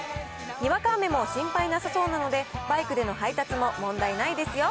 にわか雨も心配なさそうなので、バイクでの配達も問題ないですよ。